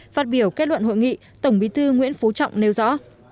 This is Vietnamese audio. phát biểu kết luận hội nghị tổng bí thư nguyễn phú trọng nêu rõ